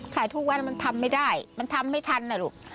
ขายทุกวันมันทำไม่ได้มันทำไม่ทันนะลูก